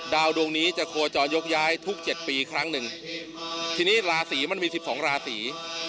ดวงนี้จะโคจรยกย้ายทุกเจ็ดปีครั้งหนึ่งทีนี้ราศีมันมี๑๒ราศี